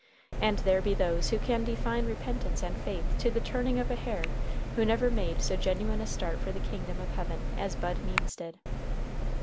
And there be those who can define repentance and faith to the turning of a hair who never made so genuine a start for the kingdom of Heaven as Bud Means did.